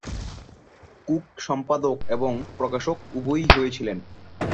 Cook সম্পাদক এবং প্রকাশক উভয়ই হয়েছিলেন।